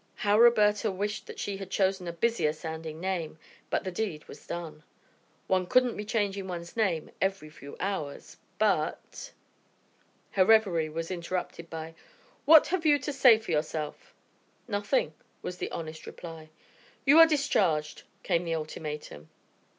How Roberta wished that she had chosen a busier sounding name, but the deed was done. One couldn't be changing one's name every few hours, but Her revery was interrupted by: "What have you to say for yourself?" "Nothing," was the honest reply. "You are discharged," came the ultimatum.